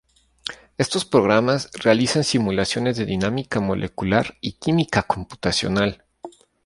Estos programas realizan simulaciones de dinámica molecular y química computacional.